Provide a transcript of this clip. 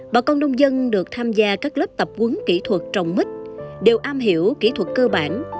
bà con nông dân được tham gia các lớp tập quấn kỹ thuật trồng mít đều am hiểu kỹ thuật cơ bản